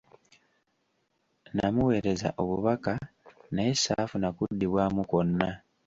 Namuweereza obubaka naye saafuna kuddibwamu kwonna.